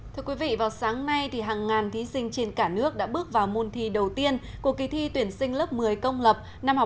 thưa quý vị vào sáng nay hàng ngàn thí sinh trên cả nước đã bước vào môn thi đầu tiên của kỳ thi tuyển sinh lớp một mươi công lập năm học hai nghìn một mươi chín hai nghìn hai mươi